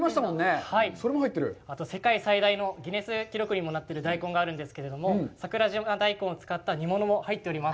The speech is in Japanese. あと、世界最大のギネス記録にもなっている大根があるんですけれども、桜島大根を使った煮物も入っております。